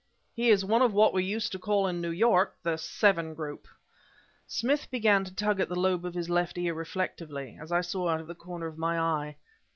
"He is one of what we used to call in New York, the Seven Group." Smith began to tug at the lobe of his left ear, reflectively, as I saw out of the corner of my eye.